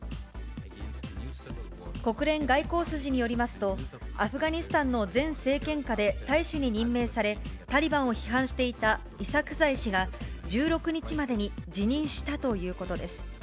国連外交筋によりますと、アフガニスタンの前政権下で大使に任命され、タリバンを批判していたイサクザイ氏が、１６日までに辞任したということです。